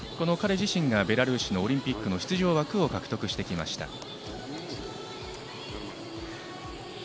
彼自身がベラルーシのオリンピックの出場枠を獲得してきました。